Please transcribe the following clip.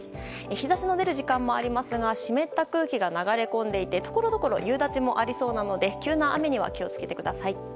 日差しの出る時間もありますが湿った空気が流れ込んでいてところどころ夕立もありそうなので急な雨には気を付けてください。